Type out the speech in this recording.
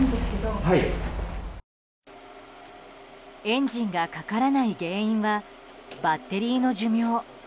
エンジンがかからない原因はバッテリーの寿命。